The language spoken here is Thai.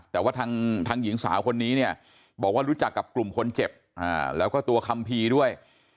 แต่ว่าทางหญิงสาวคนนี้เนี่ยบอกว่ารู้จักกับกลุ่มคนเจ็บแล้วก็ตัวคัมภีร์ด้วย